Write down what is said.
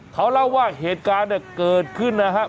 เขาเล่าว่าเหตุการณ์เนี่ยเกิดขึ้นนะฮะ